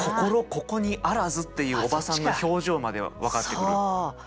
ここに在らずっていう叔母さんの表情まで分かってくる。